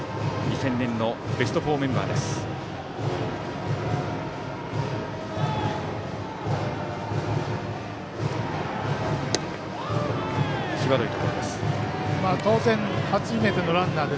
２０００年のベスト４メンバー。